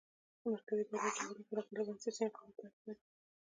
د مرکزي دولت جوړولو لپاره غالباً سیاسي انقلاب ته اړتیا ده